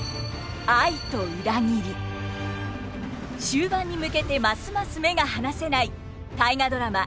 終盤に向けてますます目が離せない大河ドラマ